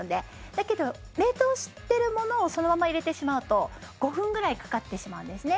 だけど、冷凍してるものをそのまま入れてしまうと５分ぐらいかかってしまうんですね。